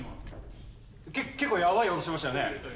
結構やばい音しましたよね。